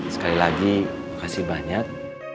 sekali lagi kasih banyak